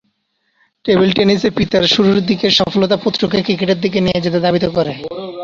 Table টেনিসে পিতার শুরুরদিকের সফলতা পুত্রকে ক্রিকেটের দিকে নিয়ে যেতে ধাবিত করে।